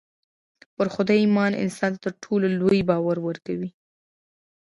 پر خدای ايمان انسان ته تر ټولو لوی باور ورکوي.